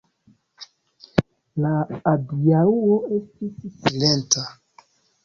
La adiaŭo estis silenta.